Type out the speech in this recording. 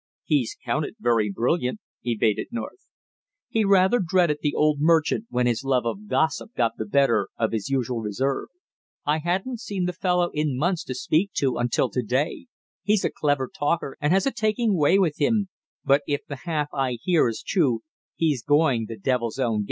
"He's counted very brilliant," evaded North. He rather dreaded the old merchant when his love of gossip got the better of his usual reserve. "I hadn't seen the fellow in months to speak to until to day. He's a clever talker and has a taking way with him, but if the half I hear is true, he's going the devil's own gait.